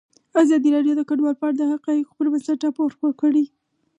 ازادي راډیو د کډوال په اړه د حقایقو پر بنسټ راپور خپور کړی.